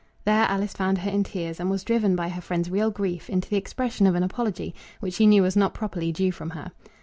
There Alice found her in tears, and was driven by her friend's real grief into the expression of an apology, which she knew was not properly due from her.